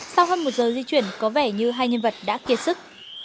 sau hơn một giờ di chuyển có vẻ như hai nhân vật đã kiệt sức